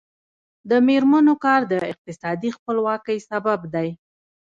د میرمنو کار د اقتصادي خپلواکۍ سبب دی.